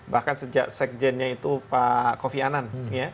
bahkan sejak sekjennya itu pak kofi anan